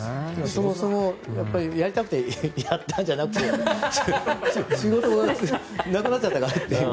そもそもやりたくてやったんじゃなくて仕事がなくなっちゃったからっていう。